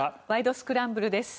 スクランブル」です。